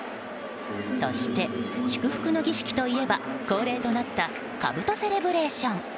そして、祝福の儀式といえば恒例となった兜セレブレーション。